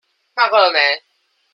罵夠了沒？